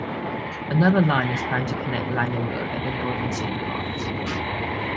Another line is planned to connect Langenberg and the northern city parts.